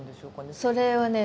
それはね